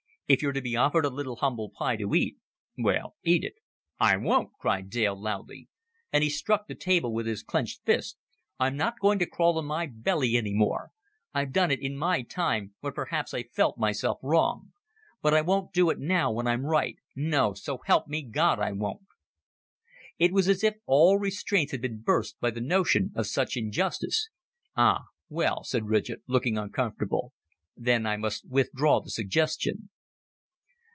If you're to be offered a little humble pie to eat well, eat it.'" "I won't," cried Dale, loudly; and he struck the table with his clenched fist. "I'm not goin' to crawl on my belly any more. I've done it in my time, when perhaps I felt myself wrong. But I won't do it now when I'm right no, so help me, God, I won't." It was as if all restraints had been burst by the notion of such injustice. "Ah, well," said Ridgett, looking uncomfortable, "then I must withdraw the suggestion."